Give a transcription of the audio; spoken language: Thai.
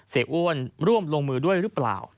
อ้วนร่วมลงมือด้วยหรือเปล่า